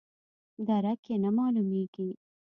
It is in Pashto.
درک یې نه معلومیږي.